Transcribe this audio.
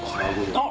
あっ！